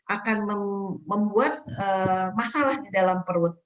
akan membuat masalah di dalam perut